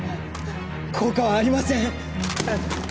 効果はありません！